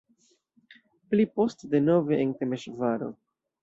Pli poste denove en Temeŝvaro.